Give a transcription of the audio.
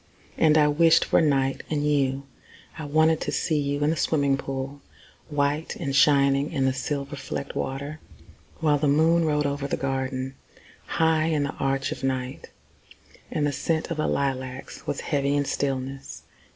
And I wished for night and you. I wanted to see you in the swimming pool, White and shining in the silver flecked water. While the moon rode over the garden, High in the arch of night, And the scent of the lilacs was heavy with stillness.